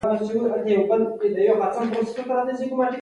مګر دوی غوږ ونه نیوی.